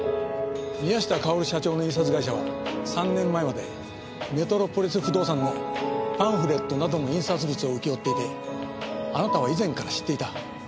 宮下薫社長の印刷会社は３年前までメトロポリス不動産のパンフレットなどの印刷物を請け負っていてあなたは以前から知っていた。